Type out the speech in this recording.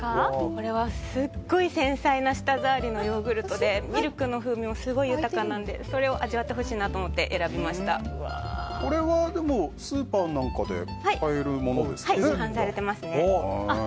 これはすごい繊細な舌触りのヨーグルトでミルクの風味もすごく豊かなのでそれを味わってほしいなと思ってこれはスーパーなんかではい、市販されてますね。